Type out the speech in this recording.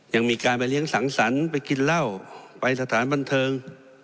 ยังมีการไปเลี้ยงสังสรรค์ไปกินเหล้าไปสถานบันเทิง